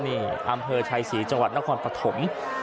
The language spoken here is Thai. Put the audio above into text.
นี่อำเภอชัยศรีจังหวัดนครปฐม